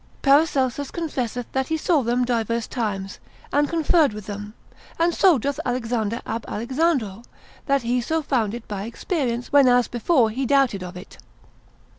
Paracelsus confesseth that he saw them divers times, and conferred with them, and so doth Alexander ab Alexandro, that he so found it by experience, when as before he doubted of it.